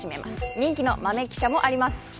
人気の豆汽車もあります。